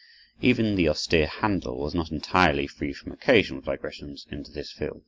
Even the austere Handel was not entirely free from occasional digressions into this field.